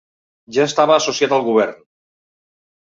Ja estava associat al govern.